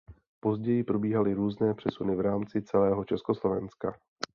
Později probíhaly různé přesuny v rámci celého Československa.